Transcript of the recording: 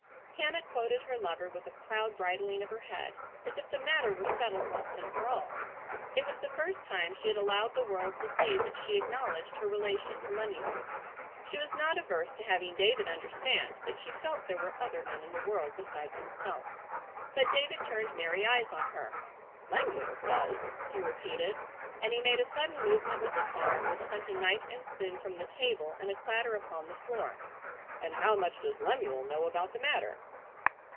Hannah quoted her lover with a proud bridling of her head as if the matter were settled once and for all. It was the first time she had allowed the world to see that she acknowledged her relation to Lemuel. She was not averse to having David understand that she felt there were other men in the world besides himself. But David turned merry eyes on her. "Lemuel says?" he repeated, and he made a sudden movement with his arm which sent a knife and spoon from the table in a clatter upon the floor. "And how much does Lemuel know about the matter?"